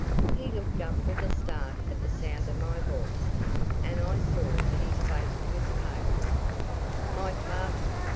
He looked up with a start at the sound of my voice, and I saw that his face was pale. "My father?"